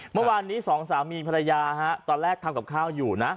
เมื่อวานนี้สองสามีภรรยาตอนแรกทำกับข้าวอยู่นะ